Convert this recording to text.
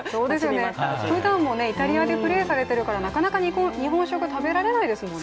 ふだんもイタリアでプレーされてるからなかなか日本食食べられないですもんね。